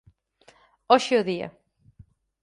Hoxe é o día